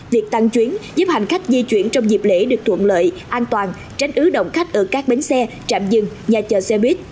việc tăng chuyến giúp hành khách di chuyển trong dịp lễ được thuận lợi an toàn tránh ứ động khách ở các bến xe trạm dừng nhà chờ xe buýt